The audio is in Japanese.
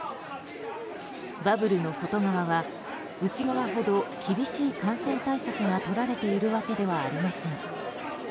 バブルの外側は、内側ほど厳しい感染対策がとられているわけではありません。